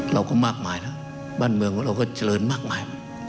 เราก็มากมายนะบ้านเมืองของเราก็เจริญมากมาย